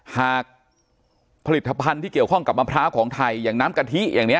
หากผลิตภัณฑ์ที่เกี่ยวข้องกับมะพร้าวของไทยอย่างน้ำกะทิอย่างนี้